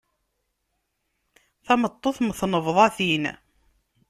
Tameṭṭut mm tnebḍatin.